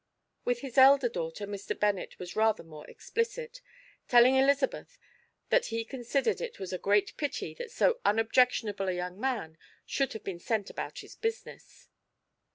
With his elder daughter Mr. Bennet was rather more explicit, telling Elizabeth that he considered it was a great pity that so unobjectionable a young man should have been sent about his business.